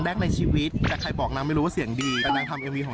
วันนี้เกี่ยวกับกองถ่ายเราจะมาอยู่กับว่าเขาเรียกว่าอะไรอ่ะนางแบบเหรอ